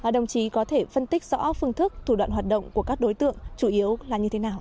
đồng chí có thể phân tích rõ phương thức thủ đoạn hoạt động của các đối tượng chủ yếu là như thế nào